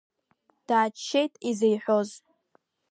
Дааччеит изеиҳәоз.